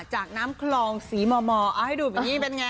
จากน้ำคลองสีหม่อเอาให้ดูเป็นยังไง